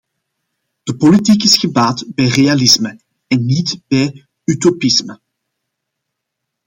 De politiek is gebaat bij realisme, en niet bij utopisme.